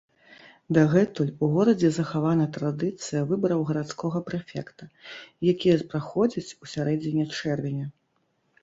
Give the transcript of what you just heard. Дагэтуль у горадзе захавана традыцыя выбараў гарадскога прэфекта, якія праходзяць у сярэдзіне чэрвеня.